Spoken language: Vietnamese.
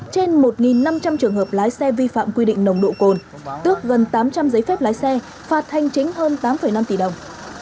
trong trường hợp lái xe vi phạm quy định nồng độ cồn tước gần tám trăm linh giấy phép lái xe phạt thanh chính hơn tám năm tỷ đồng